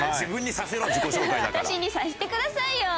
私にさせてくださいよ！